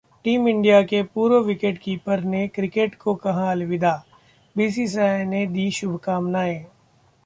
team India के पूर्व wicketkeeper ने क्रिकेट को कहा अलविदा, बीसीसीआई ने दी शुभकामनाएं